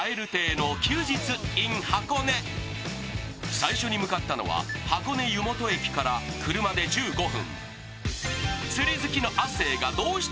最初に向かったのは箱根湯本駅から車で１５分。